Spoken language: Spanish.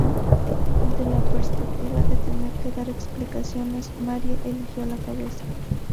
Ante la perspectiva de tener que dar explicaciones, Marie eligió la pobreza.